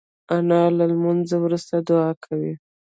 انا له لمونځ وروسته دعا کوي